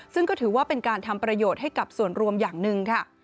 ซึ่งก็ถือว่าเป็นการทำประโยชน์ให้กับส่วนรวมอย่างหนึ่งค่ะ